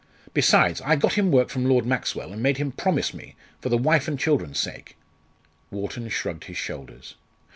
Besides, I got him work from Lord Maxwell, and made him promise me for the wife and children's sake." Wharton shrugged his shoulders.